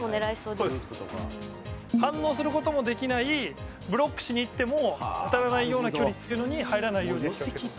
反応することもできないブロックしにいっても当たらないような距離というのに入らないようには気をつけてる。